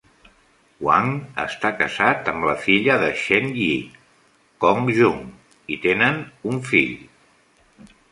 Wang està casat amb la filla de Chen Yi, Cong Jun, i tenen un fill.